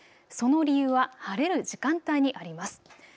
その理由は晴れる時間帯にあります。